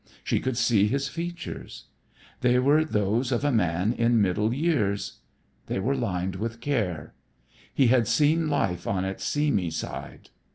She could see his features. They were those of a man in middle years. They were lined with care. He had seen life on its seamy side.